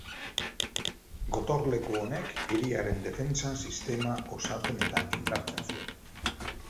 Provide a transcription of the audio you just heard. Gotorleku honek hiriaren defentsa sistema osatzen eta indartzen zuen.